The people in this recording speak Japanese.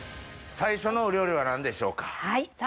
最初のお料理は何でしょうか？